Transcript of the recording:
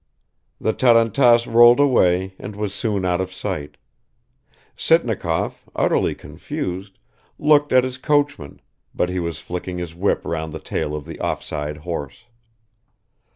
The tarantass rolled away and was soon out of sight ... Sitnikov, utterly confused, looked at his coachman, but he was flicking his whip round the tail of the off side horse.